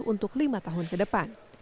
untuk lima tahun ke depan